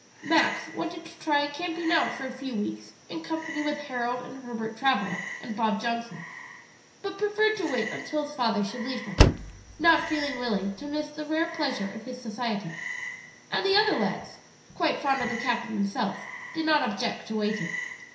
Max wanted to try camping out for a few weeks in company with Harold and Herbert Travilla and Bob Johnson, but preferred to wait until his father should leave them, not feeling willing to miss the rare pleasure of his society. And the other lads, quite fond of the captain themselves, did not object to waiting.